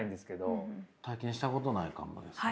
体験したことないかもですね。